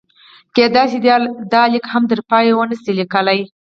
کېدای شي دا لیک هم تر پایه ونه شم لیکلی.